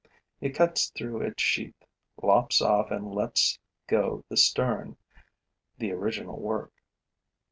It cuts through its sheath, lops off and lets go the stern, the original work.